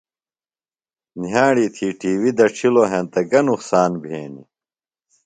نِھیاڑی تھی ٹی وی دڇھِلو ہینتہ گہ نقصان بھینیۡ؟